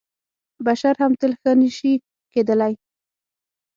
بشر هم تل ښه نه شي کېدلی .